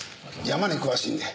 山に詳しいんで。